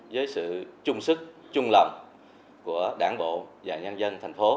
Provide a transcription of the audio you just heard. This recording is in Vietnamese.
với sự chung sức chung lòng của đảng bộ và nhân dân thành phố